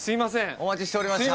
お待ちしておりました